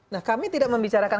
nah kami tidak membicarakan